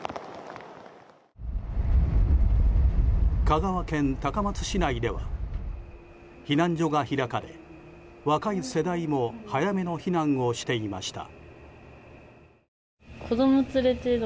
香川県高松市内では避難所が開かれ若い世代も早めの避難をしていました。